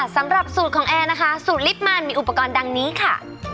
สำหรับสูตรของแอร์นะคะสูตรลิฟต์มันมีอุปกรณ์ดังนี้ค่ะ